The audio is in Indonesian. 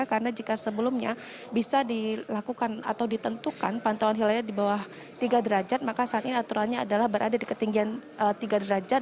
karena jika sebelumnya bisa dilakukan atau ditentukan pantauan hilalnya di bawah tiga derajat maka saat ini aturannya adalah berada di ketinggian tiga derajat